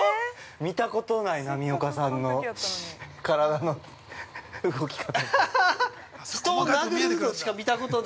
◆見たことない波岡さんの体の動き方。